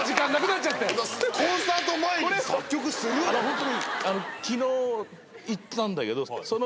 ホントに。